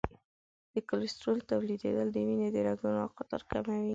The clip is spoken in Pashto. د کلسترول تولیدېدل د وینې د رګونو قطر کموي.